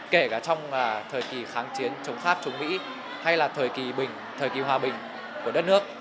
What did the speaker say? kể cả trong thời kỳ kháng chiến chống pháp chống mỹ hay là thời kỳ bình thời kỳ hòa bình của đất nước